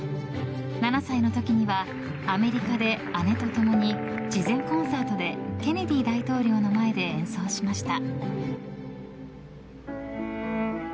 ７歳の時にはアメリカで姉と共に慈善コンサートでケネディ大統領の前で演奏しました。